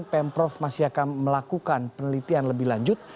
pemprov masih akan melakukan penelitian lebih lanjut